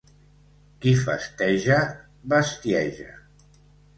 Qui festeja, bestieja.